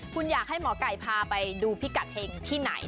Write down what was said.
คุณอยากให้หมอไก่พาไปดูพิกัดเห็งที่ไหน